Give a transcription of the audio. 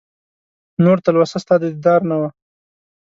نور تلوسه ستا د دیدار نه وه